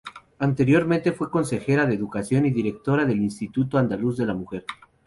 Anteriormente fue consejera de Educación y directora del Instituto Andaluz de la Mujer.